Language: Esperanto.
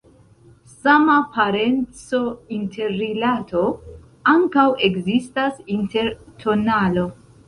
Sama parenco-interrilato ankaŭ ekzistas inter tonalo.